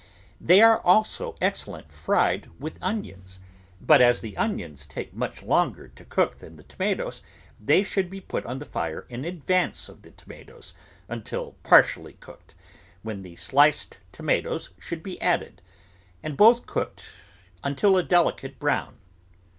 They are also excellent fried with onions, r 139 ] THE VEGETABLE GARDEN but as the onions take much longer to cook than the tomatoes, they should be put on the fire in advance of the tomatoes until partially cooked, when the sliced tomatoes should be added, and both cooked until a delicate brown.